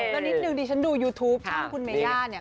แล้วนิดนึงดิฉันดูยูทูปช่องคุณเมย่าเนี่ย